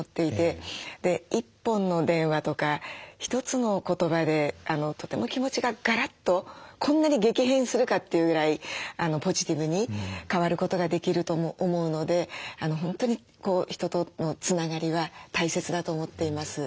一本の電話とか一つの言葉でとても気持ちがガラッとこんなに激変するかっていうぐらいポジティブに変わることができると思うので本当に人とのつながりは大切だと思っています。